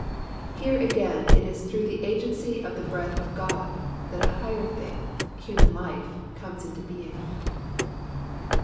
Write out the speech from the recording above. Here again it is through the agency of the breath of God, that a higher thing, human life, comes into being.